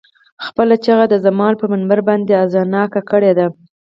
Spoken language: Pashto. خپله چيغه د زمان پر منبر باندې اذانګه کړې ده.